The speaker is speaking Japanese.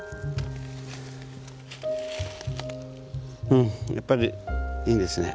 うんやっぱりいいですね。